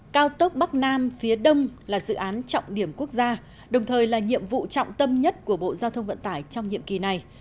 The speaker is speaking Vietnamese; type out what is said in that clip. cao tốc bắc nam phía đông là dự án trọng điểm quốc gia đồng thời là nhiệm vụ trọng tâm nhất của bộ giao thông vận tải trong nhiệm kỳ này